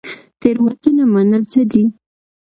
تیروتنه منل څه دي؟